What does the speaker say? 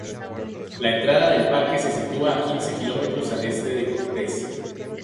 La entrada del parque se sitúa a quince kilómetros al este de Cortez.